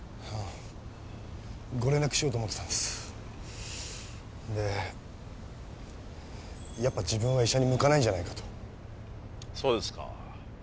ご連絡しようと思ってたんですでやっぱ自分は医者に向かないんじゃないかとそうですか